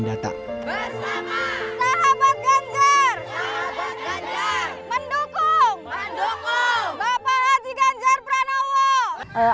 mendukung bapak haji ganjar pranowo